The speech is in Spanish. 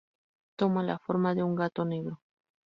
Toma la forma de un gato negro.